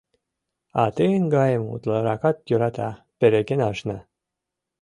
А тыйын гайым утларакат йӧрата, переген ашна.